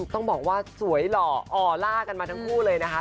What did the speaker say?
ต้องบอกว่าสวยหล่อออล่ากันมาทั้งคู่เลยนะคะ